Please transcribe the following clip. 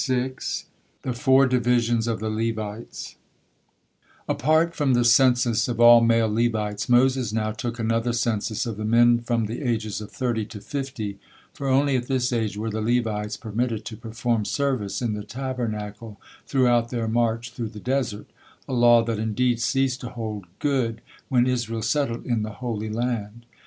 THE FOUR DIVISIONS OF THE LEVITES Apart from the census of all male Levites, Moses now took another census of the men from the ages of thirty to fifty, for only at this age were the Levites permitted to perform service in the Tabernacle throughout their march through the desert, a law that indeed ceased to hold good when Israel settled in the Holy Land.